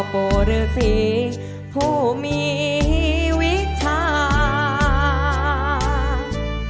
เป็นแห่งออกลองใช้สนิ้วผนม